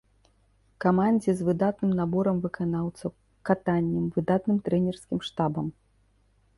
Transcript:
Камандзе з выдатным наборам выканаўцаў, катаннем, выдатным трэнерскі штабам.